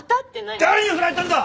誰にフラれたんだ！